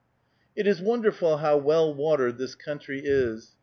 It is wonderful how well watered this country is.